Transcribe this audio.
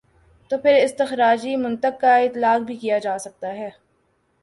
تو پھر استخراجی منطق کا اطلاق بھی کیا جا سکتا ہے۔